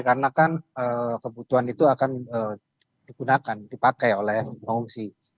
karena kan kebutuhan itu akan digunakan dipakai oleh pengungsi